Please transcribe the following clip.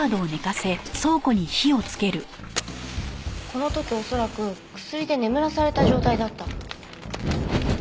この時恐らく薬で眠らされた状態だった。